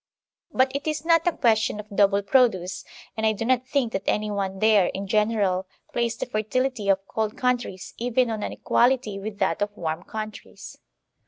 But it is not a question of double produce, and I do not think that any one dare, in general, place the fertility of cold countries even on an equality with that of warm countries.